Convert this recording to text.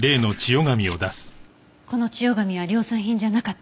この千代紙は量産品じゃなかった。